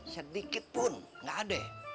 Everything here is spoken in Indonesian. sedikitpun gak ada